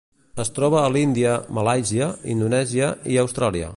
Es troba a l'Índia, Malàisia, Indonèsia i Austràlia.